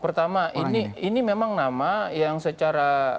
pertama ini memang nama yang secara